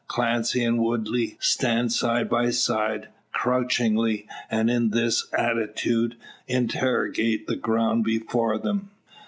Clancy and Woodley stand side by side, crouchingly; and in this attitude interrogate the ground before them.